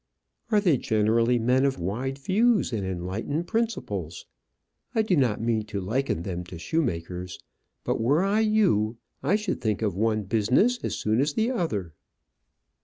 "Are they generally men of wide views and enlightened principles? I do not mean to liken them to shoemakers; but were I you, I should think of the one business as soon as the other."